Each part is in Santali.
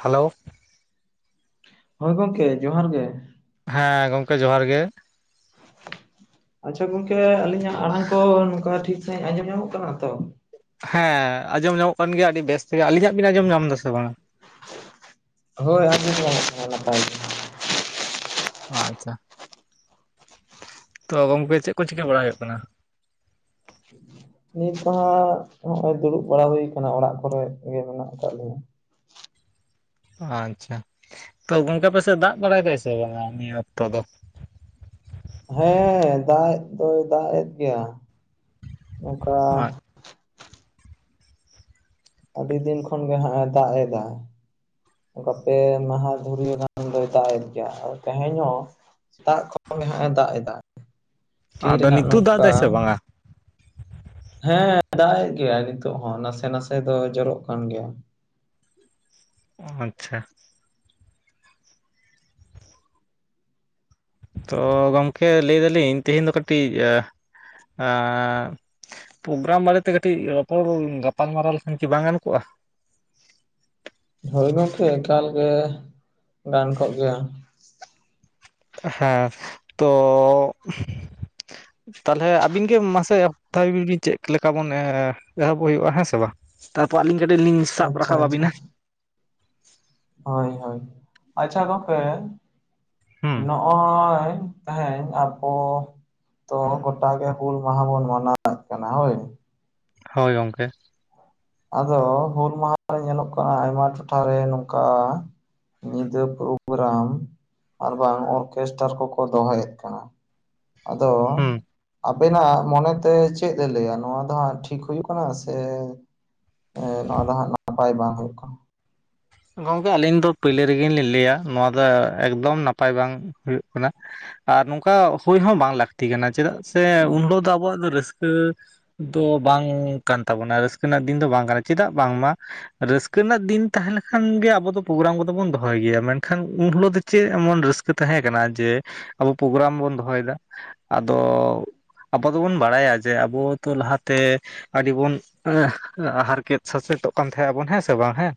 ᱦᱟᱞᱳ, ᱦᱳᱭ ᱜᱚᱝᱠᱮ ᱡᱚᱦᱟᱨ ᱜᱮ, ᱦᱮᱸ ᱜᱚᱝᱠᱮ ᱡᱚᱦᱟᱨ ᱜᱮ, ᱟᱪᱪᱷᱟ ᱜᱚᱝᱠᱮ ᱟᱹᱞᱤᱧᱟᱜ ᱟᱲᱟᱝ ᱠᱚ ᱱᱚᱝᱠᱟ ᱴᱷᱤᱠ ᱥᱟᱦᱤᱡ ᱟᱸᱡᱚᱢ ᱧᱟᱢᱚᱜ ᱠᱟᱱᱟ ᱛᱚ? ᱦᱮᱸ ᱟᱸᱡᱚᱢ ᱧᱟᱢᱚᱜ ᱠᱟᱱ ᱜᱮᱭᱟ ᱟᱹᱰᱤ ᱵᱮᱥ ᱛᱮᱜᱮ, ᱟᱹᱞᱤᱧᱟᱜ ᱵᱤᱱ ᱟᱸᱡᱚᱢ ᱧᱟᱢ ᱫᱟᱥᱮ ᱵᱟᱝᱟ? ᱦᱳᱭ ᱟᱡᱚᱢ ᱧᱟᱢᱚᱜ ᱠᱟᱱᱟ ᱱᱟᱯᱟᱭ ᱜᱮ᱾ ᱚ ᱟᱪᱪᱷᱟ, ᱛᱚ ᱜᱚᱝᱠᱮ ᱪᱮᱜ ᱠᱚ ᱪᱤᱠᱟᱹ ᱵᱟᱲᱟ ᱦᱩᱭᱩᱜ ᱠᱟᱱᱟ? [inaudible] ᱱᱤᱛ ᱫᱚᱦᱟᱜ ᱦᱚᱸᱜ ᱚᱭ ᱫᱩᱲᱩᱵ ᱵᱟᱲᱟ ᱦᱩᱭᱩ ᱟᱠᱟᱱᱟ ᱚᱲᱟᱜ ᱠᱚᱨᱮ ᱜᱮ ᱢᱮᱱᱟᱜ ᱟᱠᱟᱫ ᱞᱤᱧᱟᱹ᱾ ᱚ ᱟᱪᱪᱷᱟ, ᱛᱚ ᱜᱚᱝᱠᱮ ᱟᱯᱮᱥᱮᱡ ᱫᱟᱜ ᱵᱟᱲᱟᱭ ᱫᱟᱭ ᱥᱮ ᱵᱟᱝᱟ ᱱᱤᱭᱟᱹ ᱚᱠᱛᱚ ᱫᱚ? ᱦᱮᱸ ᱫᱟᱜ ᱮᱫ ᱫᱚᱭ ᱫᱟᱜ ᱮᱫ ᱜᱮᱭᱟ, ᱚᱱᱠᱟ ᱟᱹᱰᱤ ᱫᱤᱱ ᱠᱷᱚᱱ ᱜᱮ ᱦᱟᱸᱜᱼ ᱮ ᱫᱟᱜ ᱮᱫᱟ᱾ ᱜᱟ ᱯᱮ ᱢᱟᱦᱟ ᱫᱷᱩᱨᱭᱟᱹ ᱱᱟᱜ ᱫᱚᱭ ᱫᱟᱜ ᱮᱜ ᱜᱮᱭᱟ ᱛᱮᱦᱮᱧ ᱦᱚᱸ ᱥᱮᱛᱟᱜ ᱠᱷᱚᱱ ᱦᱟᱸᱜ ᱮ ᱫᱟᱜ ᱮᱫᱟ᱾ ᱛᱷᱤᱨ ᱟᱫᱚ ᱨᱮᱱᱟᱜ ᱱᱤᱛᱩᱜ ᱫᱟᱜ ᱱᱚᱝᱠᱟ ᱫᱟᱭ ᱥᱮ ᱵᱟᱝᱼᱟ? ᱦᱮᱸ ᱫᱟᱜ ᱮᱜ ᱜᱮᱭᱟ ᱱᱤᱛᱚᱜ ᱦᱚᱸ ᱱᱟᱥᱮ ᱱᱟᱥᱮ ᱫᱚ ᱡᱚᱨᱚᱜ ᱠᱟᱱ ᱜᱮᱭᱟ ᱾ ᱟᱪᱪᱷᱟ, ᱛᱚ ᱜᱚᱝᱠᱮ ᱞᱟᱹᱭ ᱫᱟᱞᱤᱧ ᱛᱮᱦᱤᱧ ᱫᱚ ᱠᱟᱹᱴᱤᱡ ᱟᱦ ᱟᱻ, ᱯᱨᱳᱜᱨᱟᱢ ᱵᱟᱨᱮᱛᱮ ᱠᱟᱹᱴᱤᱡ ᱨᱚᱯᱚᱲ ᱜᱟᱯᱟᱞᱢᱟᱨᱟᱣ ᱞᱮᱠᱷᱟᱱ ᱠᱤ ᱵᱟᱝ ᱜᱟᱱ ᱠᱚᱜᱼᱟ? ᱦᱳᱭ ᱜᱚᱝᱠᱮ ᱮᱠᱟᱞ ᱜᱮ ᱜᱟᱱ ᱠᱚᱜ ᱜᱮᱭᱟ, ᱦᱮᱸ ᱛᱚ ᱛᱟᱦᱞᱮ ᱟᱵᱤᱱ ᱜᱮ ᱢᱟᱥᱮ ᱮ [unintelligible] ᱮᱦᱚᱵ‌ ᱛᱟᱭᱵᱮ ᱵᱤᱱ ᱪᱮᱜ ᱞᱮᱠᱟ ᱵᱚᱱ ᱮᱦᱚᱵ ᱦᱩᱭᱩᱜᱼᱟ ᱦᱮᱸ ᱥᱮ ᱵᱟ ᱛᱟᱨᱯᱚᱨ ᱟᱹᱞᱤᱧ ᱠᱟᱹᱴᱤᱡ ᱞᱤᱧ ᱥᱟᱵ ᱟᱪᱪᱷᱟ ᱨᱟᱠᱟᱵ ᱟᱪᱪᱷᱟ ᱟᱵᱤᱱᱟ᱾ ᱦᱳᱭ ᱦᱳᱭ ᱟᱪᱪᱷᱟ ᱜᱚᱢᱠᱮ ᱦᱩᱸ ᱱᱚᱜᱼᱚᱭ ᱛᱮᱦᱮᱧ ᱟᱵᱚ ᱛᱚ ᱜᱚᱴᱟ ᱜᱮ ᱦᱩᱞ ᱢᱟᱦᱟ ᱵᱚᱱ ᱢᱟᱱᱟᱣᱮᱫ ᱠᱟᱱᱟ ᱦᱳᱭ, ᱦᱳᱭ ᱜᱚᱝᱠᱮ, ᱟᱫᱚ ᱦᱩᱞ ᱢᱟᱦᱟᱨᱮ ᱧᱮᱞᱚᱜ ᱠᱟᱱᱟ ᱟᱭᱢᱟ ᱴᱚᱴᱷᱟᱨᱮ ᱱᱚᱝᱠᱟ ᱧᱤᱫᱟᱹ ᱯᱨᱳᱜᱨᱟᱢ, ᱟᱨ ᱵᱟᱝ ᱚᱨᱠᱮᱥᱴᱟᱨ ᱠᱚᱠᱚ ᱫᱚᱦᱚᱭᱮᱫ ᱠᱟᱱᱟ, ᱟᱫᱚ ᱦᱩᱸ ᱟᱵᱮᱱᱟᱜ ᱢᱚᱱᱮᱛᱮ ᱪᱮᱫ ᱮ ᱞᱟᱹᱭᱟ ᱱᱚᱣᱟ ᱫᱚ ᱦᱟᱸᱜ ᱴᱷᱤᱠ ᱦᱩᱭᱩᱜ ᱠᱟᱱᱟ ᱥᱮ ᱱᱚᱣᱟ ᱫᱚ ᱦᱟᱸᱜ ᱱᱟᱯᱟᱭ ᱵᱟᱝ ᱦᱩᱭᱩᱜ ᱠᱟᱱᱟ? ᱜᱚᱝᱠᱮ ᱟᱹᱞᱤᱧ ᱫᱚ ᱯᱳᱭᱞᱳ ᱨᱮᱜᱮ ᱞᱤᱧ ᱞᱟᱹᱭᱟ ᱱᱚᱣᱟ ᱫᱚ ᱮᱠᱫᱚᱢ ᱱᱟᱯᱟᱭ ᱵᱟᱝ ᱦᱩᱭᱩᱜ ᱠᱟᱱᱟ᱾ ᱟᱨ ᱱᱚᱝᱠᱟ ᱦᱩᱭ ᱦᱚᱸ ᱵᱟᱝ ᱞᱟᱹᱠᱛᱤ ᱠᱟᱱᱟ ᱪᱮᱫᱟᱜ ᱥᱮ ᱩᱱᱦᱳᱞᱚᱜ ᱫᱚ ᱟᱵᱚᱣᱟᱜ ᱫᱚ ᱨᱟᱹᱥᱠᱟᱹ ᱨᱟᱹᱥᱠᱟᱹ ᱫᱚ ᱵᱟᱝ ᱠᱟᱱ ᱛᱟᱵᱚᱱᱟ ᱨᱟᱹᱥᱠᱟᱹ ᱨᱮᱱᱟᱜ ᱫᱤᱱ ᱫᱚ ᱵᱟᱝ ᱠᱟᱱᱟ ᱪᱮᱫᱟᱜ ᱵᱟᱝᱢᱟ ᱨᱟᱹᱥᱠᱟᱹ ᱨᱮᱱᱟᱜ ᱫᱤᱱ ᱛᱟᱦᱮᱸᱞᱮ ᱠᱷᱟᱱ ᱜᱮ ᱟᱵᱚ ᱫᱚ ᱯᱨᱳᱜᱨᱟᱢ ᱠᱚᱫᱚ ᱵᱚᱱ ᱫᱚᱦᱚᱭ ᱜᱮᱭᱟ ᱢᱮᱱᱠᱷᱟᱱ ᱩᱱ ᱦᱤᱞᱳᱜ ᱫᱚ ᱪᱮᱜ ᱮᱢᱚᱱ ᱨᱟᱹᱥᱠᱟᱹ ᱛᱟᱦᱮᱸ ᱠᱟᱱᱟ ᱡᱮ ᱟᱵᱚ ᱯᱨᱳᱜᱨᱟᱢ ᱵᱚᱱ ᱫᱚᱦᱚᱭᱮᱫᱟ ᱟᱫᱚ ᱟᱵᱚ ᱫᱚᱵᱚᱱ ᱵᱟᱲᱟᱭᱟ ᱡᱮ ᱟᱵᱚ ᱛᱚ ᱞᱟᱦᱟᱛᱮ ᱟᱹᱰᱤᱵᱚᱱ ᱮ ᱦᱟᱨᱠᱮᱛ ᱥᱟᱥᱮᱛᱚᱜ ᱠᱟᱱ ᱛᱟᱦᱮᱸᱟᱵᱚᱱ ᱦᱮᱸ ᱥᱮ ᱵᱟᱝ ᱦᱮᱸ,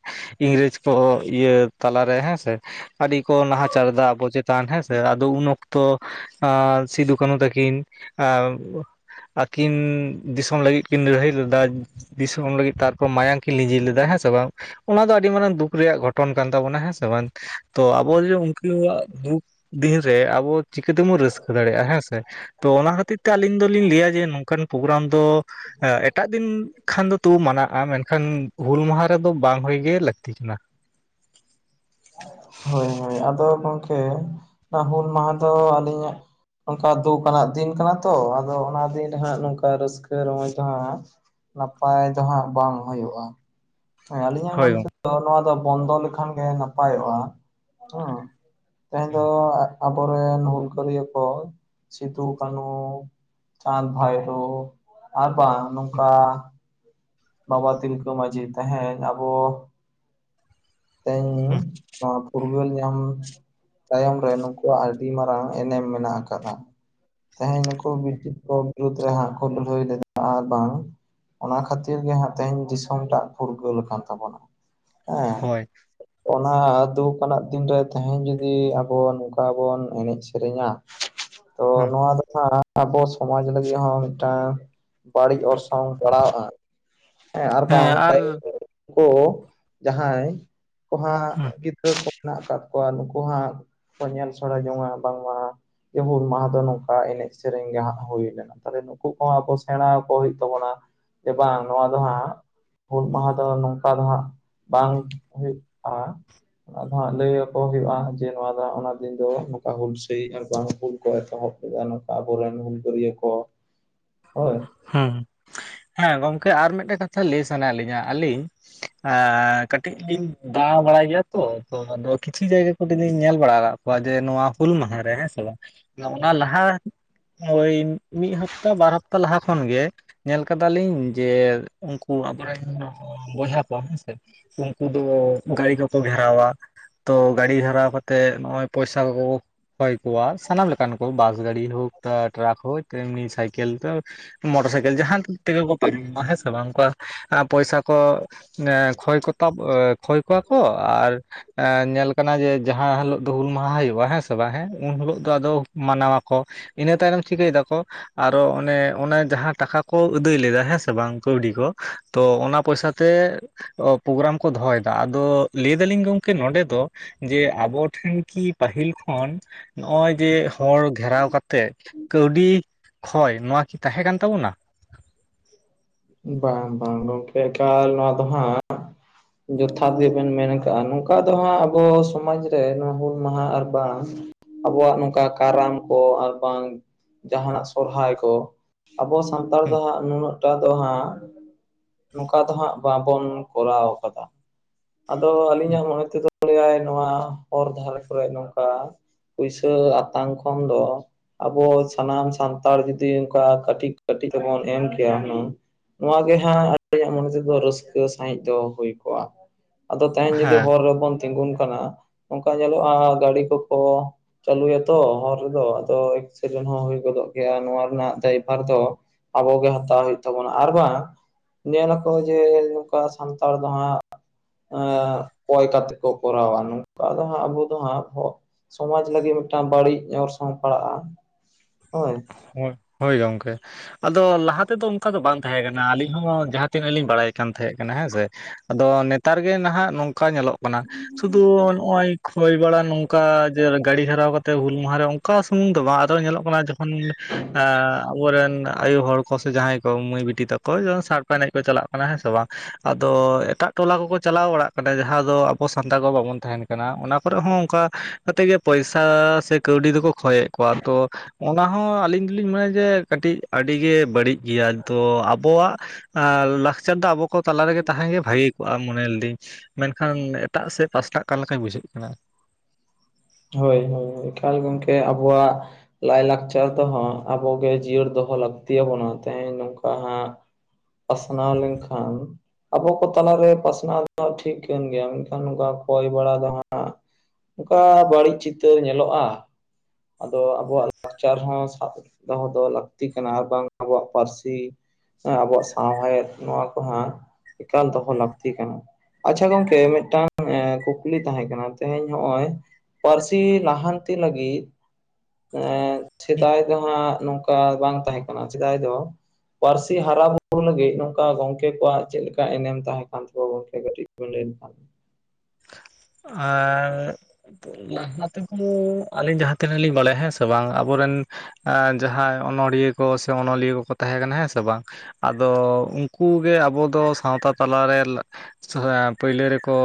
ᱤᱝᱨᱮᱡᱽ ᱠᱚ ᱤᱭᱟᱹ ᱛᱟᱞᱟᱨᱮ ᱦᱮᱸ ᱥᱮ, ᱟᱹᱰᱤ ᱠᱚ ᱱᱟᱦᱟᱪᱟᱨ ᱮᱫᱟ ᱟᱵᱚ ᱪᱮᱛᱟᱱ ᱦᱮᱸᱥᱮ ᱟᱫᱚ ᱩᱱ ᱚᱠᱛᱚ ᱟ ᱥᱤᱫᱩ ᱠᱟᱱᱩ ᱛᱟᱠᱤᱱ ᱟ ᱟᱹᱠᱤᱱ ᱫᱤᱥᱚᱢ ᱞᱟᱹᱜᱤᱫ ᱠᱤᱱ ᱞᱟᱹᱲᱦᱟᱹᱭ ᱞᱮᱫᱟ ᱾ ᱫᱤᱥᱚᱢ ᱞᱟᱹᱜᱤᱫ ᱛᱟᱨᱯᱚᱨ ᱢᱟᱭᱟᱝ ᱠᱤᱱ ᱞᱤᱸᱡᱤ ᱞᱮᱫᱟ ᱦᱮᱸ ᱥᱮ ᱵᱟᱝ? ᱚᱱᱟ ᱫᱚ ᱟᱹᱰᱤ ᱢᱟᱲᱟᱝ ᱫᱩᱠ ᱨᱮᱭᱟᱜ ᱜᱷᱚᱴᱚᱱ ᱠᱟᱱ ᱛᱟᱵᱚᱱᱟ ᱦᱮᱸᱥᱮ ᱵᱟᱝ, ᱛᱚ ᱟᱵᱚ ᱡᱮ ᱩᱱᱠᱩᱣᱟᱜ ᱫᱩᱠ ᱫᱤᱱ ᱨᱮ, ᱟᱵᱚ ᱪᱤᱠᱟᱹ ᱛᱮᱵᱚᱱ ᱨᱟᱹᱥᱠᱟᱹ ᱫᱟᱲᱮᱭᱟᱜᱼᱟ ᱦᱮᱸ ᱥᱮ? ᱛᱚ ᱚᱱᱟ ᱠᱷᱟᱹᱛᱤᱨ ᱛᱮ ᱟᱞᱤᱧ ᱫᱚᱞᱤᱧ ᱞᱟᱹᱭᱟ ᱡᱮ, ᱱᱚᱝᱠᱟᱱ ᱯᱨᱳᱜᱨᱟᱢ ᱫᱚ ᱮᱴᱟᱜ ᱫᱤᱱ ᱠᱷᱟᱱ ᱫᱚ, ᱛᱩᱵᱩ ᱢᱟᱱᱟᱜᱼᱟ ᱢᱮᱱᱠᱷᱟᱱ ᱦᱩᱞ ᱢᱟᱦᱟ ᱨᱮᱫᱚ ᱵᱟᱝ ᱦᱩᱭ ᱜᱮ ᱞᱟᱹᱠᱛᱤ ᱛᱤᱠᱤᱱᱟᱜ [inaudible] [inaudible] ᱦᱳᱭ, ᱦᱳᱭ, ᱟᱫᱚ ᱜᱚᱝᱠᱮ, ᱚᱱᱟ ᱦᱩᱞ ᱢᱟᱦᱟ ᱫᱚ ᱟᱹᱞᱤᱧᱟᱜ ᱱᱚᱝᱠᱟ ᱫᱩᱠ ᱟᱱᱟᱜ ᱫᱤᱱ ᱠᱟᱱᱟ ᱛᱚ, ᱟᱫᱚ ᱚᱱᱟ ᱫᱤᱱ ᱨᱮ ᱦᱟᱸᱜ ᱱᱚᱝᱠᱟ ᱨᱟᱹᱥᱠᱟᱹ ᱥᱮ ᱨᱚᱢᱚᱪ ᱫᱚ ᱦᱟᱸᱜ, ᱱᱟᱯᱟᱭ ᱫᱚ ᱦᱟᱸᱜ ᱵᱟᱝ ᱦᱳᱭᱳᱜᱼᱟ, ᱟᱹᱞᱤᱧᱟᱜ ᱦᱳᱭ ᱢᱚᱱᱮ ᱜᱚᱝᱠᱮ ᱛᱚ ᱱᱚᱣᱟ ᱫᱚ ᱵᱚᱱᱫᱚ ᱞᱮᱠᱷᱟᱱ ᱜᱮ ᱱᱟᱯᱟᱭᱚᱜᱼᱟ, ᱦᱮᱸ ᱛᱮᱦᱮᱧ ᱫᱚ, ᱟᱵᱚᱨᱮᱱ ᱦᱩᱞᱜᱟᱹᱨᱤᱭᱟᱹ ᱠᱚ ᱥᱤᱫᱩ ᱠᱟᱹᱱᱦᱩ ᱪᱟᱸᱫᱽ ᱵᱷᱟᱭᱨᱳ, ᱟᱨ ᱵᱟᱝ ᱱᱚᱝᱠᱟ ᱵᱟᱵᱟ ᱛᱤᱞᱠᱟᱹ ᱢᱟᱺᱡᱷᱤ ᱛᱮᱦᱮᱧ ᱟᱵᱚ ᱛᱮᱦᱮᱧ ᱱᱚᱣᱟ ᱯᱷᱩᱨᱜᱟᱹᱞ ᱧᱟᱢ ᱛᱟᱭᱚᱢ ᱨᱮ, ᱱᱩᱠᱩᱣᱟᱜ ᱟᱹᱰᱤ ᱢᱟᱨᱟᱝ ᱮᱱᱮᱢ ᱢᱮᱱᱟᱜ ᱠᱟᱫᱟ᱾ ᱛᱮᱦᱮᱸᱧ ᱱᱩᱠᱩ ᱵᱨᱤᱴᱤᱥ ᱠᱚ ᱵᱤᱨᱩᱫ ᱨᱮ, ᱦᱟᱸᱜ ᱠᱚ ᱞᱟᱹᱲᱦᱟᱹᱭ ᱞᱮᱫᱟ, ᱟᱨ ᱵᱟᱝ ᱚᱱᱟ ᱠᱷᱟᱹᱛᱤᱨ ᱜᱮ ᱦᱟᱸᱜ, ᱛᱮᱦᱮᱧ ᱫᱤᱥᱚᱢᱴᱟᱜ ᱯᱷᱩᱨᱜᱟᱹᱞ ᱟᱠᱟᱱ ᱛᱟᱵᱚᱱᱟ, ᱦᱮᱸ ᱦᱳᱭ ᱦ [unintelligible] [unintelligible] ᱚᱱᱟ ᱫᱩᱠ ᱟᱱᱟᱜ ᱫᱤᱱ ᱨᱮ, ᱛᱮᱦᱮᱧ ᱡᱩᱫᱤ ᱟᱵᱚ ᱱᱚᱝᱠᱟ ᱵᱚᱱ ᱮᱱᱮᱡ ᱥᱮᱨᱮᱧᱟ ᱛᱚ ᱱᱚᱣᱟ ᱫᱚ, ᱦᱟᱸᱜ ᱟᱵᱚ ᱥᱚᱢᱟᱡ ᱞᱟᱹᱜᱤᱫ ᱦᱚᱸ, ᱢᱤᱫᱴᱟᱝ ᱵᱟᱹᱲᱤᱡ ᱚᱨᱥᱚᱝ ᱯᱟᱲᱟᱣᱼᱟ᱾ ᱦᱮᱸ, ᱟᱨ ᱵᱟᱝ ᱛᱟᱭᱚᱢ ᱩᱱᱠᱩ ᱡᱟᱦᱟᱸᱭ ᱠᱩ ᱦᱟᱸᱜ, ᱜᱤᱫᱽᱨᱟᱹ ᱠᱚ ᱢᱮᱱᱟᱜ ᱠᱟᱜ ᱠᱚᱣᱟ, ᱱᱩᱠᱩ ᱦᱟᱸᱜ ᱠᱚ ᱧᱮᱞ ᱥᱮᱲᱟ ᱡᱚᱝᱼᱟ, ᱵᱟᱝᱢᱟ ᱡᱮ ᱦᱩᱞ ᱢᱟᱦᱟ ᱫᱚ, ᱱᱚᱝᱠᱟ ᱮᱱᱮᱡ ᱥᱮᱨᱮᱧ ᱜᱮ ᱦᱟᱸᱜ ᱦᱩᱭ ᱞᱮᱱᱟ, ᱛᱟᱦᱞᱮ ᱱᱩᱠᱩ ᱠᱚᱦᱚᱸ ᱟᱵᱚ ᱥᱮᱬᱟ ᱟᱠᱚ ᱦᱩᱭᱩᱜ ᱛᱟᱵᱚᱱᱟ᱾ ᱡᱮ ᱵᱟᱝ ᱱᱚᱣᱟ ᱫᱚ ᱦᱟᱸᱜ, ᱦᱩᱞ ᱢᱟᱦᱟ ᱫᱚ ᱱᱚᱝᱠᱟ ᱫᱚ ᱦᱟᱸᱜ, ᱵᱟᱝ ᱦᱩᱭᱩᱜᱼᱟ᱾ ᱚᱱᱟ ᱫᱚ ᱦᱟᱸᱜ, ᱞᱟᱹᱭ ᱟᱠᱚ ᱦᱩᱭᱩᱜᱼᱟ, ᱡᱮ ᱱᱚᱣᱟ ᱫᱚᱜ ᱚᱱᱟ ᱫᱤᱱ ᱫᱚ ᱱᱚᱝᱠᱟ ᱦᱩᱞᱥᱟᱹᱭ, ᱟᱨ ᱵᱟᱝ ᱦᱩᱞ ᱠᱚ ᱮᱛᱚᱦᱚᱵ ᱤᱭᱟᱹ, ᱱᱚᱝᱠᱟ ᱟᱵᱚᱨᱮᱱ ᱦᱩᱞᱜᱟᱹᱨᱤᱭᱟᱹ ᱠᱚ, ᱦᱳᱭ ᱦᱩᱸ, ᱦᱮᱸ, ᱜᱚᱝᱠᱮ ᱟᱨ ᱢᱤᱫᱴᱮᱱ ᱠᱟᱛᱷᱟ ᱞᱟᱹᱭ ᱥᱟᱱᱟᱭᱮᱫ ᱞᱤᱧᱟ ᱟᱹᱞᱤᱧ ᱟᱸ, ᱠᱟᱹᱴᱤᱡ ᱞᱤᱧ ᱫᱟᱲᱟ ᱵᱟᱲᱟ ᱜᱮᱭᱟ ᱛᱚ, ᱟᱫᱚ ᱠᱤᱪᱷᱩ ᱡᱟᱭᱜᱟ ᱠᱚᱫᱚ ᱞᱤᱧ ᱧᱮᱞ ᱵᱟᱲᱟ ᱠᱚᱣᱟ ᱡᱮ, ᱱᱚᱣᱟ ᱦᱩᱞ ᱢᱟᱦᱟ ᱨᱮ ᱦᱮᱸ ᱥᱮ ᱵᱟᱝ, ᱚᱱᱟ ᱞᱟᱦᱟ, ᱳᱤ ᱢᱤᱫ ᱦᱟᱯᱛᱟ, ᱵᱟᱨ ᱦᱟᱯᱛᱟ, ᱞᱟᱦᱟ ᱠᱷᱚᱱ ᱜᱮ ᱧᱮᱞ ᱠᱟᱫᱟᱞᱤᱧ ᱡᱮ, ᱩᱱᱠᱩ ᱟᱵᱚᱨᱮᱱ ᱵᱚᱭᱦᱟ ᱠᱚ ᱦᱮᱸ ᱥᱮ, ᱩᱱᱠᱩ ᱫᱚ ᱜᱟᱹᱲᱤ ᱠᱚᱠᱚ ᱜᱷᱮᱨᱟᱣᱟ, ᱛᱚ ᱜᱟᱹᱲᱤ ᱜᱷᱮᱨᱟᱣ ᱠᱟᱛᱮᱜ ᱱᱚᱜ-ᱚᱭ ᱯᱚᱭᱥᱟ ᱠᱚᱠᱚ ᱠᱚᱭ ᱠᱚᱣᱟ, ᱥᱟᱱᱟᱢ ᱞᱮᱠᱟᱱ ᱠᱚ ᱵᱟᱥ ᱜᱟᱹᱰᱤ ᱦᱳᱠ ᱴᱨᱟᱠ ᱦᱳᱠ ᱛᱮᱢᱱᱤ ᱥᱟᱭᱠᱮᱞ ᱛᱚ ᱢᱚᱴᱚᱨ ᱥᱟᱭᱠᱮᱞ ᱡᱟᱦᱟᱸ ᱛᱮᱜᱮ ᱠᱚ ᱯᱟᱨᱚᱢᱚᱜᱼᱟ, ᱦᱮᱸ ᱥᱮ ᱵᱟᱝ, ᱚᱱᱠᱟ ᱯᱚᱭᱥᱟ ᱠᱚ ᱠᱷᱚᱭ ᱠᱚ, ᱛᱟ ᱠᱷᱚᱭ ᱠᱚᱣᱟ ᱠᱚ ᱟᱨ ᱮᱸ ᱧᱮᱞ ᱠᱟᱱᱟ ᱡᱮ, ᱡᱟᱦᱟᱸ ᱦᱤᱞᱳᱜ ᱫᱚ ᱦᱩᱞ ᱢᱟᱦᱟ ᱦᱳᱭᱳᱜ-ᱟ ᱦᱮᱸ ᱥᱮ ᱵᱟᱝ, ᱦᱮᱸ ᱩᱱ ᱦᱤᱞᱳᱜ ᱫᱚ ᱟᱫᱚ ᱢᱟᱱᱟᱣ ᱟᱠᱚ᱾ ᱤᱱᱟᱹ ᱛᱟᱱᱚᱢ ᱪᱤᱠᱟᱹᱭ ᱫᱟᱠᱚ, ᱟᱨᱚ ᱚᱱᱮ ᱚᱱᱮ ᱡᱟᱦᱟᱸ ᱴᱟᱠᱟ ᱠᱚ ᱟᱹᱫᱟᱹᱭ ᱞᱮᱫᱟ, ᱦᱮᱸ ᱥᱮ ᱵᱟᱝ ᱠᱟᱹᱣᱰᱤ ᱠᱚ, ᱛᱚ ᱚᱱᱟ ᱯᱚᱭᱥᱟ ᱛᱮ ᱯᱨᱳᱜᱨᱟᱢ ᱠᱚ ᱫᱚᱦᱚᱭᱫᱟ, ᱟᱫᱚ ᱞᱟᱹᱭ ᱫᱟᱞᱤᱧ ᱜᱚᱝᱠᱮ ᱱᱚᱰᱮ ᱫᱚ, ᱡᱮ, ᱟᱵᱚᱴᱷᱮᱱ ᱠᱤ ᱯᱟᱹᱦᱤᱞ ᱠᱷᱚᱱ ᱱᱚᱜ-ᱚᱭ ᱡᱮ ᱦᱚᱲ ᱜᱷᱮᱨᱟᱣ ᱠᱟᱛᱮᱜ, ᱠᱟᱹᱣᱰᱤ ᱠᱷᱚᱭ ᱱᱚᱣᱟ ᱠᱤ ᱛᱟᱦᱮᱸ ᱠᱟᱱ ᱛᱟᱵᱚᱱᱟ? ᱵᱟᱝ, ᱵᱟᱝ, ᱜᱚᱢᱠᱮ ᱮᱠᱟᱞ ᱱᱚᱣᱟ ᱫᱚ ᱦᱟᱸᱜ ᱡᱚᱛᱷᱟᱛ ᱜᱮᱵᱮᱱ ᱢᱮᱱ ᱠᱟᱜ-ᱟ᱾ ᱱᱚᱝᱠᱟ ᱫᱚ ᱦᱟᱸᱜ ᱟᱵᱚ ᱥᱚᱢᱟᱡᱽ ᱨᱮ ᱱᱚᱣᱟ ᱦᱩᱞ ᱢᱟᱦᱟ, ᱟᱨ ᱵᱟᱝ ᱟᱵᱚᱣᱟᱜ ᱱᱚᱝᱠᱟ ᱠᱟᱨᱟᱢ ᱠᱚ, ᱟᱨ ᱵᱟᱝ ᱡᱟᱦᱟᱸᱱᱟᱜ ᱥᱚᱨᱦᱟᱭ ᱠᱚ ᱟᱵᱚ ᱥᱟᱱᱛᱟᱲ ᱦᱩᱸ ᱫᱚ ᱦᱟᱸᱜ, ᱱᱩᱱᱟᱹᱜ ᱴᱟ ᱦᱟᱸᱜ, ᱱᱚᱝᱠᱟ ᱫᱚ ᱦᱟᱸᱜ ᱵᱟᱵᱚᱱ ᱠᱚᱨᱟᱣ ᱠᱟᱫᱟ᱾ ᱟᱫᱚ ᱦᱩᱸ ᱟᱹᱞᱤᱧᱟᱜ ᱢᱚᱱᱮ ᱛᱮᱫᱚ ᱞᱟᱹᱭ ᱟᱭ, ᱱᱚᱣᱟ ᱦᱚᱨ ᱫᱷᱟᱨᱮ ᱠᱚᱨᱮ ᱱᱚᱝᱠᱟ ᱯᱩᱭᱥᱟᱹ ᱟᱛᱟᱝ ᱠᱷᱚᱱ ᱫᱚ ᱟᱵᱚ ᱥᱟᱱᱟᱢ ᱥᱟᱱᱛᱟᱲ ᱡᱩᱫᱤ ᱚᱱᱠᱟ ᱠᱟᱹᱴᱤᱡ ᱠᱟᱹᱴᱤᱡ ᱛᱮᱵᱚᱱ ᱮᱢ ᱠᱮᱭᱟ ᱦᱩᱱᱟᱹᱝ ᱱᱚᱣᱟ ᱜᱮ ᱦᱟᱸᱜ ᱟᱹᱞᱤᱟᱜ ᱢᱚᱱᱮ ᱛᱮᱫᱚ ᱨᱟᱹᱥᱠᱟᱹ ᱥᱟᱹᱦᱤᱡ ᱫᱚ ᱦᱩᱭ ᱠᱚᱜ-ᱟ᱾ ᱟᱫᱚ ᱛᱮᱦᱮᱧ ᱡᱩᱫᱤ ᱦᱮᱸ ᱦᱚᱨ ᱨᱮᱵᱚᱱ ᱛᱤᱜᱩᱱ ᱠᱟᱱᱟ ᱚᱱᱠᱟ ᱧᱮᱞᱚᱜ-ᱟ ᱜᱟᱹᱰᱤ ᱠᱚᱠᱚ ᱪᱟᱹᱞᱩᱭᱟ ᱛᱚ ᱦᱚᱨ ᱨᱮᱫᱚ ᱟᱫᱚ ᱮᱠᱥᱤᱰᱮᱱᱴ ᱦᱚᱸ ᱦᱩᱭ ᱜᱚᱫᱚᱜ ᱜᱮᱭᱟ ᱱᱚᱣᱟ ᱨᱮᱱᱟᱜ ᱫᱟᱭᱵᱷᱟᱨ ᱫᱚ ᱟᱵᱚ ᱜᱮ ᱦᱟᱛᱟᱣ ᱦᱩᱭᱩᱜ ᱛᱟᱵᱚᱱᱟ, ᱟᱨ ᱵᱟᱝ ᱧᱮᱞᱟ ᱠᱚ ᱡᱮ ᱱᱚᱝᱠᱟ ᱥᱟᱱᱛᱟᱲ ᱫᱚ ᱦᱟᱸᱜ ᱮ ᱠᱚᱭ ᱠᱟᱛᱮ ᱠᱚ ᱠᱚᱨᱟᱣᱟ ᱱᱚᱝᱠᱟ ᱫᱚ ᱦᱟᱸᱜ ᱟᱵᱚ ᱫᱚ ᱦᱟᱸᱜ ᱥᱚᱢᱟᱡ ᱞᱟᱹᱜᱤᱫ ᱢᱤᱫᱴᱟᱝ ᱵᱟᱹᱲᱤᱡ ᱚᱨᱥᱚᱝ ᱯᱟᱲᱟᱜ-ᱟ, ᱦᱳᱭ ᱦᱳᱭ ᱦᱳᱭ ᱜᱚᱝᱠᱮ᱾ ᱟᱫᱚ ᱞᱟᱦᱟ ᱛᱮᱫᱚ ᱚᱱᱠᱟ ᱫᱚ ᱵᱟᱝ ᱛᱟᱦᱮᱸ ᱠᱟᱱᱟ ᱟᱹᱞᱤᱧ ᱦᱚᱸ ᱡᱟᱦᱟᱸ ᱛᱤᱱᱟᱹᱜ ᱞᱤᱧ ᱵᱟᱲᱟᱭ ᱛᱟᱦᱮᱸ ᱠᱟᱱᱟ ᱦᱮᱸᱥᱮ ᱟᱫᱚ ᱱᱮᱛᱟᱨ ᱜᱮ ᱱᱟᱦᱟᱜ ᱱᱚᱝᱠᱟ ᱚᱱᱠᱟ ᱧᱮᱞᱚᱜ ᱠᱟᱱᱟ ᱥᱩᱫᱩ ᱱᱚᱜ-ᱚᱭ ᱠᱷᱚᱭ ᱵᱟᱲᱟ ᱱᱚᱝᱠᱟ ᱜᱟᱹᱲᱤ ᱜᱷᱮᱨᱟᱣ ᱠᱟᱛᱮ ᱦᱩᱞ ᱢᱟᱦᱟᱨᱮ ᱚᱱᱠᱟ ᱥᱩᱢᱩᱝ ᱫᱚ ᱵᱟᱝ, ᱟᱫᱚ ᱧᱮᱞᱚᱜ ᱠᱟᱱᱟ ᱡᱚᱠᱷᱚᱱ ᱟᱵᱚᱨᱮᱱ ᱟᱭᱳ ᱦᱚᱲ ᱠᱚ ᱥᱮ ᱡᱟᱦᱟᱸᱭ ᱠᱚ ᱢᱟᱹᱭ ᱵᱤᱴᱤ ᱛᱟᱠᱚ ᱡᱮᱢᱚᱱ ᱥᱟᱲᱯᱟ ᱮᱱᱮᱡ ᱠᱚ ᱪᱟᱞᱟᱜ ᱠᱟᱱᱟ ᱦᱮᱸ ᱥᱮ ᱵᱟᱝ, ᱟᱫᱚ ᱮᱴᱟᱜ ᱴᱚᱞᱟ ᱠᱚᱠᱚ ᱪᱟᱞᱟᱣ ᱵᱟᱲᱟᱜ ᱠᱟᱱᱟ ᱡᱟᱦᱟᱸ ᱫᱚ ᱟᱵᱚ ᱥᱟᱱᱛᱟᱲ ᱠᱚ ᱵᱟᱵᱚᱱ ᱛᱟᱦᱮᱱ ᱠᱟᱱᱟ᱾ ᱠᱟᱱᱟ ᱚᱱᱟ ᱠᱚᱨᱮ ᱦᱚᱸ ᱚᱱᱠᱟ ᱠᱟᱛᱮ ᱜᱮ ᱯᱚᱭᱥᱟ ᱥᱮ ᱠᱟᱹᱣᱰᱤ ᱫᱚᱠᱚ ᱠᱷᱚᱭᱮᱫ ᱠᱚᱣᱟ ᱛᱚ ᱚᱱᱟ ᱦᱚᱸ ᱟᱹᱞᱤᱧ ᱫᱚᱞᱤᱧ ᱢᱮᱱᱟ ᱡᱮ ᱠᱟᱹᱴᱤᱡ ᱟᱹᱰᱤ ᱜᱮ ᱵᱟᱹᱲᱤᱡ ᱜᱮᱭᱟ, ᱛᱚ ᱟᱵᱚᱣᱟᱜ ᱞᱟᱠᱪᱟᱨ ᱫᱚ ᱟᱵᱚ ᱠᱚ ᱛᱟᱞᱟ ᱨᱮᱜᱮ ᱛᱟᱦᱮᱸ ᱜᱮ ᱵᱷᱟᱜᱮ ᱠᱚᱜ-ᱟ ᱢᱚᱱᱮ ᱞᱤᱫᱟᱹᱧ ᱢᱮᱱᱠᱷᱟᱱ ᱮᱴᱟᱜ ᱥᱮᱫ ᱯᱟᱥᱱᱟᱜ ᱠᱟᱱ ᱞᱮᱠᱟ ᱵᱩᱡᱷᱟᱹᱜ ᱠᱟᱱᱟ᱾ ᱦᱳᱭ ᱦᱳᱭ ᱮᱠᱟᱞ ᱜᱚᱢᱠᱮ ᱟᱵᱚᱣᱟᱜ ᱞᱟᱭᱼᱞᱟᱠᱪᱟᱨ ᱫᱚ ᱦᱟᱸᱜ ᱟᱵᱚᱜᱮ ᱡᱤᱭᱟᱹᱲ ᱫᱚᱦᱚ ᱞᱟᱹᱠᱛᱤᱭᱟ ᱵᱚᱱᱟ ᱛᱮᱦᱮᱧ ᱱᱚᱝᱠᱟ ᱦᱟᱸᱜ ᱯᱟᱥᱱᱟᱣ ᱞᱮᱱ ᱠᱷᱟᱱ ᱟᱵᱚ ᱠᱚ ᱛᱟᱞᱟᱨᱮ ᱯᱟᱥᱱᱟᱣ ᱫᱚ ᱴᱷᱤᱠ ᱠᱟᱱ ᱜᱮᱭᱟ, ᱢᱮᱱᱠᱷᱟᱱ ᱱᱚᱝᱠᱟ ᱠᱚᱭ ᱵᱟᱲᱟ ᱫᱚ ᱦᱟᱸᱜ ᱚᱱᱠᱟ ᱵᱟᱹᱲᱤᱡ ᱪᱤᱛᱟᱹᱨ ᱧᱮᱞᱚᱜ-ᱟ, ᱟᱫᱚ ᱟᱵᱚᱣᱟᱜ ᱞᱟᱠᱪᱟᱨ ᱦᱚᱸ ᱥᱟᱵ ᱫᱚᱦᱚ ᱫᱚ ᱞᱟᱹᱠᱛᱤ ᱠᱟᱱᱟ, ᱟᱨ ᱵᱟᱝ ᱟᱵᱚᱣᱟᱜ ᱯᱟᱹᱨᱥᱤ ᱦᱮᱸ ᱟᱵᱚᱣᱟᱜ ᱥᱟᱶᱦᱮᱫ ᱱᱚᱣᱟ ᱠᱚ ᱦᱟᱸᱜ ᱮᱠᱟᱞ ᱫᱚᱦᱚ ᱞᱟᱹᱠᱛᱤ ᱠᱟᱱᱟ᱾ ᱟᱪᱪᱷᱟ ᱜᱚᱝᱠᱮ ᱢᱤᱫᱴᱟᱝ ᱠᱩᱠᱞᱤ ᱛᱟᱦᱮᱸ ᱠᱟᱱᱟ ᱛᱮᱦᱮᱧ ᱱᱚᱜ-ᱚᱭ ᱯᱟᱹᱨᱥᱤ ᱞᱟᱦᱟᱱᱛᱤ ᱞᱟᱹᱜᱤᱫ ᱮᱸᱫ ᱥᱮᱫᱟᱭ ᱫᱚ ᱦᱟᱸᱜ ᱱᱚᱝᱠᱟ ᱵᱟᱝ ᱛᱟᱦᱮᱸ ᱠᱟᱱᱟ ᱥᱮᱫᱟᱭ ᱫᱚ ᱯᱟᱹᱨᱥᱤ ᱦᱟᱨᱟ ᱵᱩᱨᱩ ᱞᱟᱹᱜᱤᱫ ᱱᱚᱝᱠᱟ ᱜᱚᱝᱠᱮ ᱠᱚᱣᱟᱜ ᱪᱮᱫ ᱞᱮᱠᱟ ᱮᱱᱮᱢ ᱛᱟᱦᱮᱸ ᱠᱟᱱ ᱛᱟᱠᱚᱣᱟ, ᱜᱚᱝᱠᱮ ᱠᱟᱹᱴᱤᱡ [unintelligible] ᱟᱨ ᱞᱟᱦᱟ ᱛᱮᱦᱚᱸ ᱟᱹᱞᱤᱧ ᱡᱟᱦᱟᱸᱛᱤᱱᱟᱹᱜ ᱞᱤᱧ ᱵᱟᱲᱟᱭᱟ ᱦᱮᱸ ᱥᱮ ᱵᱟᱝ ᱟᱵᱚ ᱨᱮᱱ ᱟ ᱡᱟᱦᱟᱸᱭ ᱚᱱᱚᱲᱦᱤᱭᱟᱹ ᱠᱚ ᱥᱮ ᱚᱱᱚᱞᱤᱭᱟᱹ ᱠᱚᱠᱚ ᱛᱟᱦᱮᱸ ᱠᱟᱱᱟ ᱦᱮᱸ ᱥᱮ ᱵᱟᱝ- ᱟᱫᱚ ᱩᱱᱠᱩ ᱜᱮ ᱟᱵᱚ ᱫᱚ ᱥᱟᱶᱛᱟ ᱛᱟᱞᱟ ᱨᱮ [unintelligible] ᱯᱟᱹᱭᱞᱟᱹ ᱨᱮᱠᱚ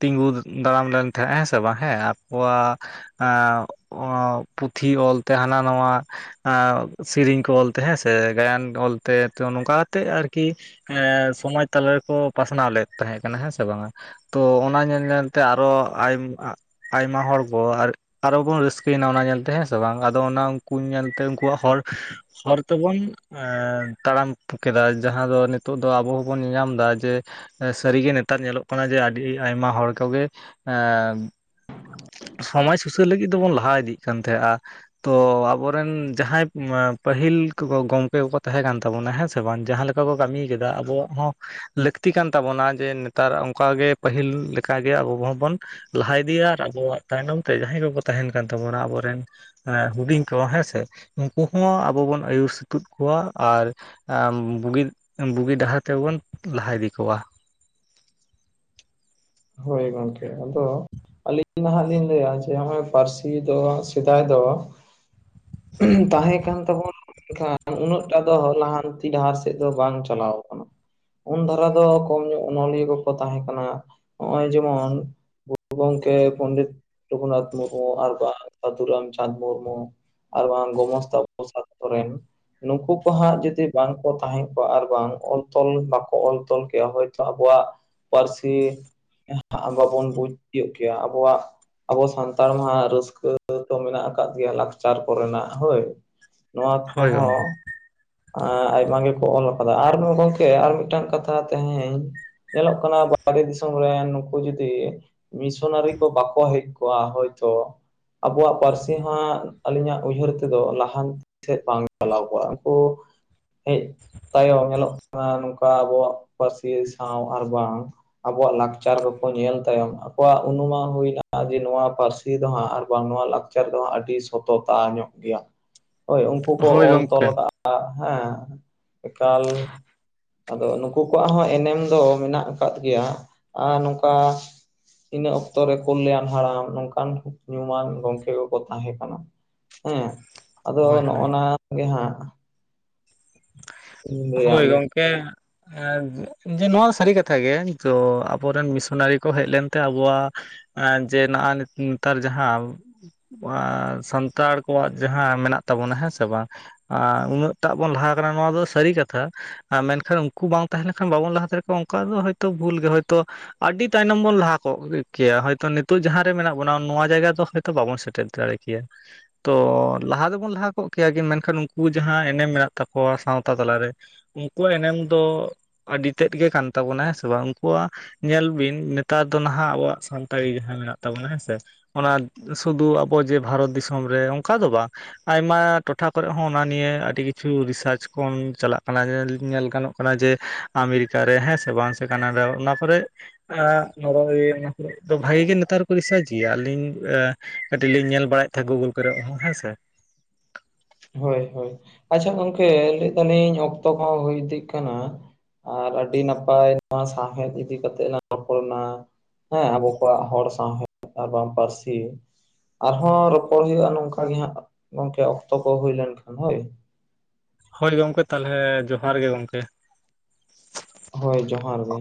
ᱛᱤᱸᱜᱩ ᱫᱟᱲᱟᱢ ᱞᱮᱱ ᱛᱟᱦᱮᱸᱫ ᱦᱮᱸ ᱥᱮ ᱵᱟᱝ ᱦᱮᱸ ᱟᱠᱚᱣᱟᱜ ᱟ ᱚ ᱯᱩᱛᱷᱤ ᱚᱞ ᱛᱮ ᱦᱟᱱᱟ ᱱᱟᱣᱟ ᱥᱮᱨᱮᱧ ᱠᱚ ᱚᱞ ᱛᱮ ᱦᱮᱸ ᱥᱮ ᱜᱟᱭᱟᱱ ᱚᱞ ᱛᱮ ᱛᱚ ᱱᱚᱝᱠᱟ ᱠᱟᱛᱮᱜ ᱟᱨᱠᱤ ᱮᱸ ᱥᱚᱢᱟᱡᱽ ᱛᱟᱞᱟ ᱨᱮᱠᱚ ᱯᱟᱥᱱᱟᱣ ᱞᱮᱫ ᱛᱟᱦᱮᱸ ᱠᱟᱱᱟ ᱦᱮᱸ ᱥᱮ ᱵᱟᱝ-ᱟ, ᱛᱚ ᱚᱱᱟ ᱧᱮᱞ ᱧᱮᱞ ᱛᱮ ᱟᱨᱚ ᱟᱭ ᱟᱭᱢᱟ ᱦᱚᱲ ᱠᱚ ᱟᱨ ᱟᱨᱚ ᱵᱚᱱ ᱨᱟᱹᱥᱠᱟᱹᱭ ᱮᱱᱟ ᱚᱱᱟ ᱧᱮᱞ ᱛᱮ ᱦᱮᱸ ᱥᱮ ᱵᱟᱝ ᱟᱫᱚ ᱚᱱᱟ ᱩᱱᱠᱩ ᱧᱮᱞ ᱛᱮ ᱩᱱᱠᱩᱣᱟᱜ ᱦᱚᱲ ᱦᱚᱨ ᱛᱮ ᱵᱚᱱ ᱛᱟᱲᱟᱢ ᱠᱮᱫᱟ ᱡᱟᱦᱟᱸ ᱫᱚ ᱱᱤᱛᱚᱜ ᱫᱚ ᱟᱵᱚ ᱦᱚᱸ ᱵᱚᱱ ᱧᱮᱧᱟᱢ ᱮᱫᱟ ᱡᱮ ᱥᱟᱹᱨᱤ ᱜᱮ ᱱᱮᱛᱟᱨ ᱧᱮᱞᱚᱜ ᱠᱟᱱᱟ ᱡᱮ ᱟᱹᱰᱤ ᱟᱭᱢᱟ ᱦᱚᱲ ᱠᱚᱜᱮ ᱮᱸ ᱥᱚᱢᱟᱡ ᱥᱩᱥᱟᱹᱨ ᱞᱟᱹᱜᱤᱫ ᱫᱚ ᱵᱚᱱ ᱞᱟᱦᱟ ᱤᱫᱤᱜ ᱠᱟᱱ ᱛᱟᱦᱮᱸᱫ-ᱟ᱾ ᱛᱚ ᱟᱵᱚ ᱨᱮᱱ ᱡᱟᱦᱟᱸᱭ ᱯᱟᱹᱦᱤᱞ ᱠᱚ ᱜᱚᱢᱠᱮ ᱠᱚᱠᱚ ᱛᱟᱦᱮᱸ ᱠᱟᱱ ᱛᱟᱵᱚᱱᱟ ᱦᱮᱸ ᱥᱮ ᱵᱟᱝ ᱡᱟᱦᱟᱸ ᱞᱮᱠᱟ ᱠᱟ ᱠᱚ ᱠᱟᱹᱢᱤᱭ ᱠᱮᱫᱟ ᱟᱵᱚᱣᱟᱜ ᱦᱚᱸ ᱞᱟᱹᱠᱛᱤ ᱠᱟᱱ ᱛᱟᱵᱚᱱᱟ ᱡᱮ ᱱᱮᱛᱟᱨ ᱚᱱᱠᱟ ᱜᱮ ᱯᱟᱹᱦᱤᱞ ᱞᱮᱠᱟ ᱜᱮ ᱟᱵᱚ ᱦᱚᱸ ᱵᱚᱱ ᱞᱟᱦᱟ ᱤᱫᱤᱭᱟ ᱟᱨ ᱟᱵᱚᱣᱟᱜ ᱛᱟᱭᱱᱚᱢ ᱛᱮ ᱡᱟᱦᱟᱸᱭ ᱠᱚᱠᱚ ᱛᱟᱦᱮᱱ ᱠᱟᱱ ᱛᱟᱵᱚᱱᱟ ᱟᱵᱚ ᱨᱮᱱ ᱦᱩᱰᱤᱧ ᱠᱚ ᱦᱮᱸ ᱥᱮ ᱩᱱᱠᱩ ᱦᱚᱸ ᱟᱵᱚ ᱵᱚᱱ ᱟᱹᱭᱩᱨ ᱥᱟᱹᱛᱩᱜ ᱠᱚᱣᱟ ᱟᱨ ᱟᱻᱢ ᱵᱩᱜᱤᱫ ᱵᱩᱜᱤ ᱰᱟᱦᱟᱨ ᱛᱮ ᱵᱚᱱ ᱞᱟᱦᱟ ᱤᱫᱤ ᱠᱚᱣᱟ᱾ ᱦᱳᱭ ᱜᱚᱝᱠᱮ᱾ ᱟᱫᱚ ᱟᱹᱞᱤᱧ ᱱᱷᱟᱜ ᱞᱤᱧ ᱞᱟᱹᱭᱟ ᱡᱮ ᱱᱚᱜ-ᱚᱭ ᱯᱟᱹᱨᱥᱤ ᱫᱚ ᱥᱮᱫᱟᱭ ᱫᱚ [unintelligible] ᱛᱟᱦᱮᱸ ᱠᱟᱱ ᱛᱟᱵᱚᱱ᱾ ᱮᱱᱠᱷᱟᱱ ᱩᱱᱟᱹᱜ ᱴᱟ ᱫᱚ ᱞᱟᱦᱟᱱᱛᱤ ᱰᱟᱦᱟᱨ ᱥᱮᱫ ᱫᱚ ᱵᱟᱝ ᱪᱟᱞᱟᱣ ᱟᱠᱟᱱᱟ᱾ ᱩᱱ ᱫᱷᱟᱨᱟ ᱫᱚ ᱠᱚᱢ ᱧᱚᱜ ᱚᱱᱚᱞᱤᱭᱟᱹ ᱠᱚᱠᱚ ᱛᱟᱦᱮᱸ ᱠᱟᱱᱟ᱾ ᱱᱚᱜ-ᱚᱭ ᱡᱮᱢᱚᱱ ᱜᱩᱨᱩ ᱜᱚᱝᱠᱮ ᱯᱚᱱᱰᱤᱛ ᱨᱚᱜᱷᱩᱱᱟᱛᱷ ᱢᱩᱨᱢᱩ ᱟᱨ ᱵᱟᱝ ᱥᱟᱹᱫᱷᱩᱨᱟᱢᱪᱟᱸᱫᱽ ᱢᱩᱨᱢᱩ᱾ ᱟᱨ ᱵᱟᱝ ᱜᱚᱢᱚᱥᱛᱟ ᱯᱨᱚᱥᱟᱛ ᱥᱚᱨᱮᱱ᱾ ᱱᱩᱠᱩ ᱠᱚ ᱦᱟᱸᱜ ᱡᱩᱫᱤ ᱵᱟᱝ ᱠᱚ ᱛᱟᱦᱮᱸ ᱠᱚᱜ ᱟᱨ ᱵᱟᱝ ᱚᱞ ᱛᱚᱞ ᱵᱟᱠᱚ ᱚᱞ ᱛᱚᱞ ᱠᱮᱫ-ᱟ᱾ ᱦᱳᱭᱛᱳ ᱟᱵᱚᱣᱟᱜ ᱯᱟᱹᱨᱥᱤ ᱵᱟᱵᱚᱱ ᱵᱩᱡᱽ ᱛᱤᱭᱚᱜ ᱠᱮᱭᱟ, ᱟᱵᱚᱣᱟᱜ᱾ ᱟᱵᱚ ᱥᱟᱱᱛᱟᱲ ᱢᱟ ᱨᱟᱹᱥᱠᱟᱹ ᱫᱚ ᱢᱮᱱᱟᱜ ᱟᱠᱟᱫ ᱜᱮᱭᱟ, ᱞᱟᱠᱪᱟᱨ ᱠᱚ ᱨᱮᱱᱟᱜ ᱦᱳᱭ᱾ ᱱᱚᱶᱟ ᱦᱳᱭ ᱜᱚᱢᱠᱮ ᱠᱚᱦᱚᱸ ᱟ ᱟᱭᱢᱟ ᱜᱮᱠᱚ ᱚᱞ ᱟᱠᱟᱫᱟ᱾ ᱟᱨᱦᱚᱸ ᱜᱚᱝᱠᱮ ᱟᱨ ᱢᱤᱫᱴᱟᱝ ᱠᱟᱛᱷᱟ ᱛᱮᱦᱮᱧ ᱧᱮᱞᱚᱜ ᱠᱟᱱᱟ [unintelligible] ᱵᱟᱦᱨᱮ ᱫᱤᱥᱚᱢ᱾ ᱠᱚ ᱨᱮᱱ ᱱᱩᱠᱩ ᱡᱩᱫᱤ ᱢᱤᱥᱚᱱᱟᱨᱤ ᱠᱚ ᱵᱟᱠᱚ ᱦᱮᱡ ᱠᱚᱜ-ᱟ᱾ ᱦᱳᱭᱛᱳ ᱟᱵᱚᱣᱟᱜ ᱯᱟᱹᱨᱥᱤ ᱦᱟᱸᱜ ᱟᱹᱞᱤᱧᱟᱜ ᱩᱭᱦᱟᱹᱨ ᱛᱮᱫᱚ ᱞᱟᱦᱟᱱ ᱥᱮᱫ ᱵᱟᱝ ᱪᱟᱞᱟᱣ ᱠᱚᱜ-ᱟ᱾ ᱦᱮᱡ ᱛᱟᱭᱚᱢ ᱧᱮᱞᱚᱜ ᱠᱟᱱᱟ ᱱᱚᱝᱠᱟ ᱟᱵᱚᱣᱟᱜ ᱯᱟᱹᱨᱥᱤ ᱥᱟᱶ ᱟᱨ ᱵᱟᱝ᱾ ᱟᱵᱚᱣᱟᱜ ᱞᱟᱠᱪᱟᱨ ᱠᱚᱠᱚ ᱧᱮᱞ ᱛᱟᱭᱚᱢ ᱟᱠᱚᱣᱟᱜ ᱩᱱᱩᱢᱟᱱ ᱦᱩᱭᱱᱟ ᱡᱮ ᱱᱚᱣᱟ ᱯᱟᱹᱨᱥᱤ ᱫᱚ ᱦᱟᱸᱜ ᱟᱨ ᱵᱟᱝ ᱱᱚᱣᱟ ᱞᱟᱠ ᱪᱟᱨ ᱫᱚ ᱦᱟᱸᱜ ᱟᱹᱰᱤ ᱥᱚᱛᱚᱛᱟ ᱧᱚᱜ ᱜᱮᱭᱟ᱾ ᱦᱳᱭ, ᱩᱱᱠᱩ ᱠᱚ ᱦᱳᱭ ᱚᱞ ᱛᱚᱞ ᱜᱚᱢᱠᱮ ᱟᱠᱟᱜ-ᱟ᱾ ᱟᱸᱜ ᱮᱸ ᱮᱠᱟᱞ᱾ ᱟᱫᱚ ᱱᱩᱠᱩ ᱠᱚᱣᱟᱜ ᱦᱚᱸ ᱮᱱᱮᱢ ᱫᱚ ᱢᱮᱱᱟᱜ ᱟᱠᱟᱫ ᱜᱮᱭᱟ ᱟᱨ ᱱᱚᱝᱠᱟ ᱤᱱᱟᱹ ᱚᱠᱛᱚ ᱨᱮ ᱠᱚᱞᱭᱟᱱ ᱦᱟᱲᱟᱢ ᱱᱚᱝᱠᱟᱱ ᱧᱩᱢᱟᱱ ᱜᱚᱝᱠᱮ ᱠᱚᱠᱚ ᱛᱟᱦᱮᱸ ᱠᱟᱱᱟ᱾ ᱦᱩᱸ᱾ ᱟᱫᱚ ᱦᱳᱭ ᱦᱳᱭ ᱱᱚᱜ-ᱚ ᱱᱟ ᱜᱮ ᱦᱟᱸᱜ ᱞᱟᱹᱭᱟ ᱦᱳᱭ ᱟᱹᱞᱤᱧ ᱜᱚᱝᱠᱮ᱾ ᱮ ᱡᱮ ᱱᱚᱶᱟ ᱥᱟᱹᱨᱤ ᱠᱟᱛᱷᱟ ᱜᱮ᱾ ᱛᱚ ᱟᱵᱚ ᱨᱮᱱ ᱢᱤᱥᱚᱱᱟᱨᱤ ᱠᱚ ᱦᱮᱡ ᱞᱮᱱ ᱛᱮ ᱟᱵᱚᱣᱟᱜ ᱟᱨ ᱡᱮ ᱱᱚᱜ-ᱚᱭ ᱱᱮᱛ ᱱᱮᱛᱟᱨ ᱡᱟᱦᱟᱸ [unintelligible] ᱥᱟᱱᱛᱟᱲ ᱠᱚᱣᱟᱜ ᱡᱟᱦᱟᱸ ᱢᱮᱱᱟᱜ ᱛᱟᱵᱚᱱᱟ᱾ ᱦᱮᱸ ᱥᱮ ᱵᱟᱝ? ᱟᱨ ᱩᱱᱟᱹᱜ ᱴᱟᱜ ᱵᱚᱱ ᱞᱟᱦᱟ ᱟᱠᱟᱱᱟ ᱱᱚᱶᱟ ᱫᱚ ᱥᱟᱹᱨᱤ ᱠᱟᱛᱷᱟ᱾ ᱟᱨ ᱢᱮᱱᱠᱷᱟᱱ ᱩᱱᱠᱩ ᱵᱟᱝ ᱛᱟᱦᱮᱸ ᱞᱮᱱᱠᱷᱟᱱ ᱵᱟᱵᱚᱱ ᱞᱟᱦᱟ ᱫᱟᱲᱮ ᱠᱚᱜ-ᱟ, ᱚᱱᱠᱟ ᱫᱚ ᱦᱚᱭᱛᱚ, ᱵᱷᱩᱞ ᱜᱮ ᱦᱚᱭᱛᱚ᱾ ᱟᱹᱰᱤ ᱛᱟᱭᱱᱚᱢ ᱵᱚᱱ ᱞᱟᱦᱟ ᱠᱚᱜ ᱠᱮᱭᱟ᱾ ᱦᱚᱭᱛᱳ ᱱᱤᱛᱚᱜ ᱡᱟᱦᱟᱸ ᱨᱮ ᱢᱮᱱᱟᱜ ᱵᱚᱱᱟ, ᱱᱚᱶᱟ ᱡᱟᱭᱜᱟ ᱛᱚ ᱛᱚ ᱵᱟᱵᱚᱱ ᱥᱮᱴᱮᱨ ᱫᱟᱲᱮ ᱠᱮᱭᱟ᱾ ᱛᱚ ᱞᱟᱦᱟ ᱫᱚᱵᱚᱱ ᱞᱟᱦᱟ ᱠᱚᱜ ᱠᱮᱭᱟ, ᱢᱮᱱᱠᱷᱟᱱ ᱩᱱᱠᱩ ᱡᱟᱦᱟᱸ ᱮᱱᱮᱢ ᱢᱮᱱᱟᱜ ᱛᱟᱠᱚᱣᱟ ᱥᱟᱶᱛᱟ ᱛᱟᱞᱟ ᱨᱮ ᱩᱱᱠᱩᱣᱟᱜ ᱮᱱᱮᱢ ᱫᱚ ᱟᱹᱰᱤ ᱛᱮᱫ ᱜᱮ ᱠᱟᱱ ᱛᱟᱵᱚᱱᱟ, ᱦᱮᱸ ᱥᱮ ᱵᱟᱝ! ᱩᱱᱠᱩᱣᱟᱜ ᱧᱮᱞ ᱵᱤᱱ ᱱᱮᱛᱟᱨ ᱫᱚ ᱱᱷᱟᱜ ᱟᱵᱚᱣᱟᱜ ᱥᱟᱱᱛᱟᱲᱤ ᱡᱟᱦᱟᱸ ᱢᱮᱱᱟᱜ ᱛᱟᱵᱚᱱᱟ, ᱦᱮᱸ ᱥᱮ᱾ ᱚᱱᱟ ᱥᱩᱫᱩ ᱟᱵᱚ ᱡᱮ ᱵᱷᱟᱨᱚᱛ ᱫᱤᱥᱚᱢ ᱨᱮ ᱚᱱᱠᱟ ᱫᱚ ᱵᱟᱝ᱾ ᱟᱭᱢᱟ ᱴᱚᱴᱷᱟ ᱠᱚᱨᱮ ᱦᱚᱸ ᱚᱱᱟ ᱱᱤᱭᱟᱹ ᱟᱹᱰᱤ ᱛᱷᱨᱩ ᱨᱤᱥᱟᱨᱪ ᱠᱚ ᱪᱟᱞᱟᱜ ᱠᱟᱱᱟ ᱡᱮ ᱜᱟᱱᱚᱜ ᱠᱟᱱᱟ ᱡᱮ ᱟᱢᱮᱨᱤᱠᱟ ᱨᱮ, ᱦᱮᱸ ᱥᱮ ᱵᱟᱝ? ᱥᱮ ᱠᱟᱱᱟᱰᱟ ᱚᱱᱟ ᱠᱚᱨᱮ ᱟ ᱱᱚᱜ-ᱚᱭ ᱚᱱᱟ ᱠᱚᱨᱮ ᱫᱚ᱾ ᱵᱷᱟᱜᱤ ᱜᱮ ᱱᱮᱛᱟᱨ ᱠᱚ ᱨᱤᱥᱟᱹᱨᱪ ᱜᱮᱭᱟ᱾ ᱟᱹᱞᱤᱧ ᱟ ᱠᱟᱹᱴᱤᱡ ᱞᱤᱧ ᱧᱮᱞ ᱵᱟᱲᱟᱭᱮᱫ ᱛᱟᱦᱮᱸᱱᱟ ᱜᱩᱜᱩᱞ ᱠᱚᱨᱮᱜ ᱦᱮᱸ ᱥᱮ᱾ ᱦᱳᱭ ᱦᱳᱭ᱾ ᱟᱪᱪᱷᱟ ᱜᱚᱝᱠᱮ ᱞᱟᱹᱭ ᱫᱟᱞᱤᱧ ᱚᱠᱛᱚ ᱠᱚ ᱦᱚᱸ ᱦᱩᱭ ᱤᱫᱤᱜ ᱠᱟᱱᱟ᱾ ᱟᱨ ᱟᱹᱰᱤ ᱱᱟᱯᱟᱭ ᱱᱚᱶᱟ ᱥᱟᱶᱦᱮᱫ ᱤᱫᱤ ᱠᱟᱛᱮᱜ ᱞᱟᱝ ᱨᱚᱯᱚᱲᱱᱟ᱾ ᱦᱮᱸ ᱟᱵᱚ ᱠᱚᱣᱟᱜ ᱦᱚᱲ ᱥᱟᱶᱦᱮᱫ ᱟᱨᱵᱟᱝ ᱯᱟᱹᱨᱥᱤ᱾ ᱟᱨᱦᱚ ᱨᱚᱯᱚᱲ ᱦᱩᱭᱩᱜᱼᱟ ᱱᱚᱝᱠᱟ ᱜᱮ ᱦᱟᱸᱜ ᱜᱚᱝᱠᱮ ᱚᱠᱛᱚ ᱠᱚ ᱦᱩᱭ ᱞᱮᱱᱠᱷᱟᱱ ᱦᱳᱭ᱾ ᱦᱳᱭ ᱜᱚᱝᱠᱮ ᱛᱟᱦᱞᱮ ᱡᱚᱦᱟᱨ ᱜᱮ ᱜᱚᱢᱠᱮ᱾ ᱦᱳᱭ ᱡᱚᱸᱦᱟᱨ ᱜᱮ᱾